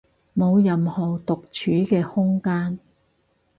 冇任何獨處嘅空間